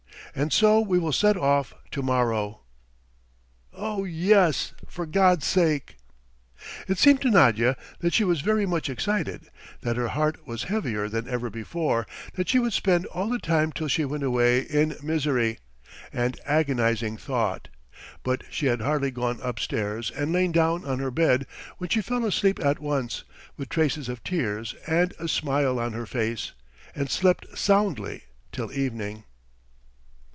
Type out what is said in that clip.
And so we will set off to morrow?" "Oh yes, for God's sake!" It seemed to Nadya that she was very much excited, that her heart was heavier than ever before, that she would spend all the time till she went away in misery and agonizing thought; but she had hardly gone upstairs and lain down on her bed when she fell asleep at once, with traces of tears and a smile on her face, and slept soundly till evening.